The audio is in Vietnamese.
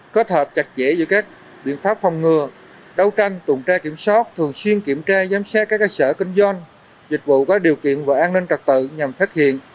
kết hợp chặt chẽ giữa các biện pháp phòng ngừa đấu tranh tuần tra kiểm soát thường xuyên kiểm tra giám sát các cơ sở kinh doanh dịch vụ có điều kiện và an ninh trật tự nhằm phát hiện